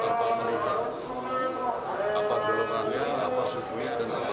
apa menurut anda apa gulungannya apa sukunya dan apa yang lainnya